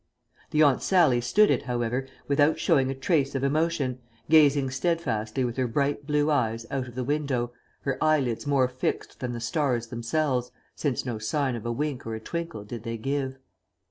The Aunt Sallie stood it, however, without showing a trace of emotion, gazing steadfastly with her bright blue eyes out of the window, her eyelids more fixed than the stars themselves, since no sign of a wink or a twinkle did they give.